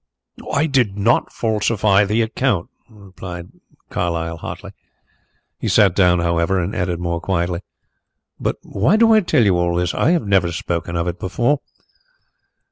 "I did not falsify the account," cried Carlyle hotly. He sat down however, and added more quietly: "But why do I tell you all this? I have never spoken of it before."